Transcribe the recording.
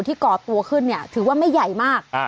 ที่ก่อตัวขึ้นถือว่าไม่ใหญ่มาก